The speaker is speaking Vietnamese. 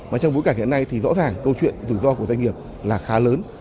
mà trong bối cảnh hiện nay thì rõ ràng câu chuyện rủi ro của doanh nghiệp là khá lớn